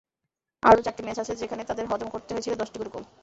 আরও চারটি ম্যাচ আছে যেখানে তাদের হজম করতে হয়েছিল দশটি করে গোল।